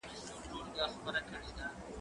هغه وويل چي انځور روښانه دی؟!